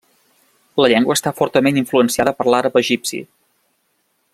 La llengua està fortament influenciada per l'àrab egipci.